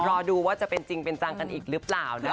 รอดูว่าจะเป็นจริงเป็นจังกันอีกหรือเปล่านะคะ